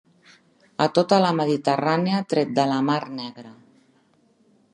A tota la Mediterrània tret de la Mar Negra.